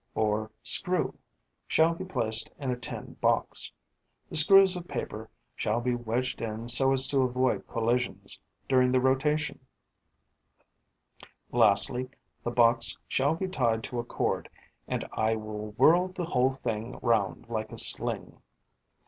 or screw, shall be placed in a tin box; the screws of paper shall be wedged in so as to avoid collisions during the rotation; lastly, the box shall be tied to a cord and I will whirl the whole thing round like a sling.